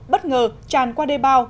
bất ngờ tràn qua đê bao